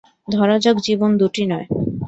ধরা যাক, জীবন দুটি নয়।